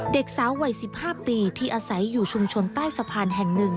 เด็กสาววัย๑๕ปีที่อาศัยอยู่ชุมชนใต้สะพานแห่ง๑